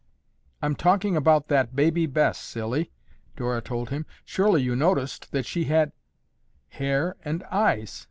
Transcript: "I'm talking about that Baby Bess, silly!" Dora told him. "Surely you noticed that she had—" "Hair and eyes?